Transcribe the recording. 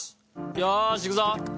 よーしいくぞ！